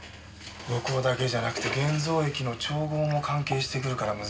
露光だけじゃなくて現像液の調合も関係してくるから難しいんだよなあ。